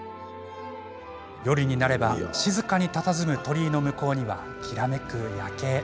夜になれば静かにたたずむ鳥居の向こうにはきらめく夜景。